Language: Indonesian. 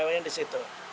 semuanya di situ